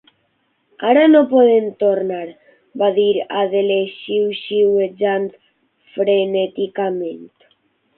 "Ara no podem tornar", va dir Adele xiuxiuejant frenèticament.